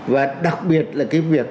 và đặc biệt là cái việc